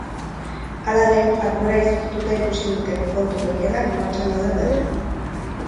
Hala ere, jarduera izoztuta ikusi duten kontu gehienak martxan daude berriro.